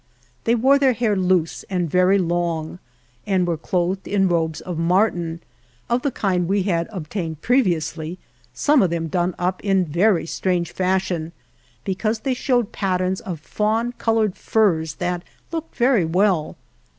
They wore the hair loose and very long, and were clothed in robes of marten, of the kind we had obtained previously, some of them done up in a very strange fashion, because they showed patterns of fawn colored furs that looked very well.